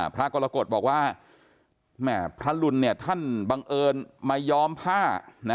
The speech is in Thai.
พระกรกฎบอกว่าพระรุณเนี่ยท่านบังเอิญไม่ยอมผ้า